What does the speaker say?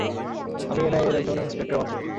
আমি এনআইএ-র একজন ইন্সপেক্টর মাত্র।